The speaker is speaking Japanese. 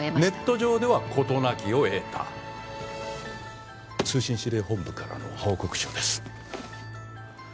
ネット上では事なきを得た通信指令本部からの報告書です